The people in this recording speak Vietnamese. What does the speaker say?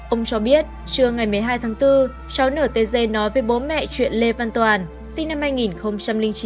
ông cho biết trưa ngày một mươi hai tháng bốn cháu nở tê dê nói với bố mẹ chuyện lê văn toàn sinh năm hai nghìn chín